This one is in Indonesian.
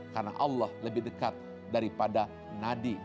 karena allah lebih dekat daripada nadi